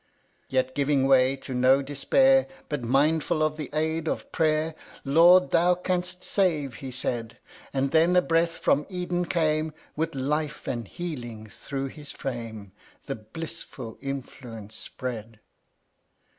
28. Yet, giving way to no despair. But mindful of the aid of prayer, " Lord, Thou canst save !" he said ; And then a breath from Eden came ; With life and healing through his frame The blissful influence spread.